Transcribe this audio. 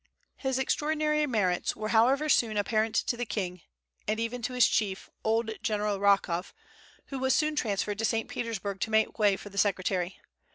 His extraordinary merits were however soon apparent to the king, and even to his chief, old General Rochow, who was soon transferred to St. Petersburg to make way for the secretary.